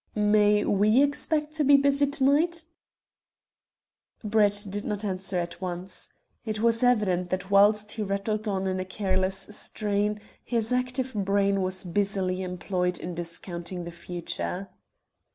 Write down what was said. "May we expect to be busy to night?" Brett did not answer at once. It was evident that whilst he rattled on in a careless strain his active brain was busily employed in discounting the future.